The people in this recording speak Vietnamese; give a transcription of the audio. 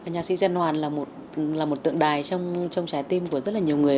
nhạc sĩ trần hoàn là một tượng đài trong trái tim của rất nhiều người